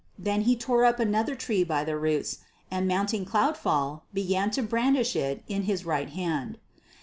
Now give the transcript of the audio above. Then he tore up another tree by the roots, and mounting Cloudfall began to brandish it in his right hand.